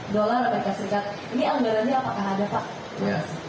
dolar amerika serikat ini anggarannya apakah ada pak